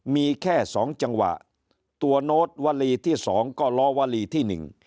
มีแค่๒จังหวะตัวโน้ตวลีที่๒ก็ล้อวลีที่๑